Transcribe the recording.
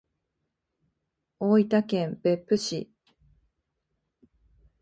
大分県別府市